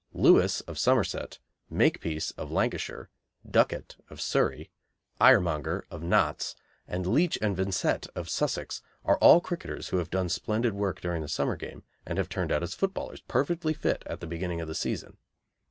Lewis, of Somerset; Makepeace, of Lancashire; Ducat, of Surrey; Iremonger, of Notts; and Leach and Vincett, of Sussex, are all cricketers who have done splendid work during the summer game, and have turned out footballers perfectly fit at the beginning of the season.